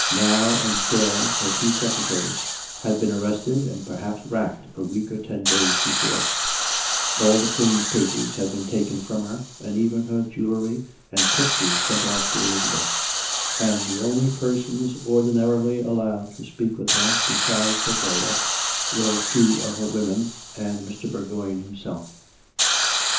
Nau and Curie, her two secretaries, had been arrested and per haps racked a week or ten days before; all the Queen's papers had been taken from her, and even her jewellery 301 302 COME RACK! COME ROPE! and pictures sent off to Elizabeth; and the only persons ordinarily allowed to speak with her, besides her gaoler, were two of her women, and Mr. Bourgoign himself.